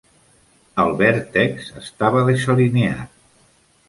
El vèrtex estava desalineat.